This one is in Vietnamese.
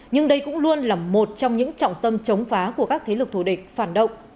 nhưng đây cũng luôn là một trong những trọng tâm chống phá của các thế lực thù địch phản động